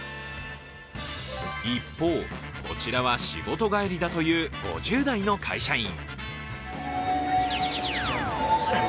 一方、こちらは仕事帰りだという５０代の会社員。